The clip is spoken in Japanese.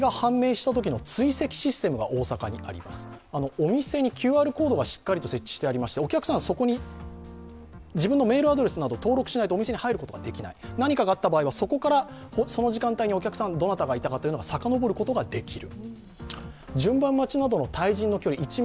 お店にＱＲコードがしっかり設置してありお客さんそこに自分のメールアドレスなど登録しないとお店に入ることができない何かがあった場合には、そこからその時間帯にどのお客さんがいたかさかのぼることができる。